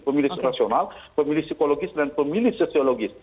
pemilih rasional pemilih psikologis dan pemilih sosiologis